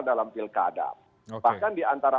dalam pilkada bahkan diantara